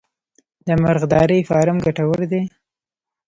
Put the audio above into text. د مرغدارۍ فارم ګټور دی؟